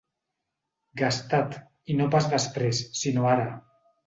Gastat, i no pas després, sinó ara.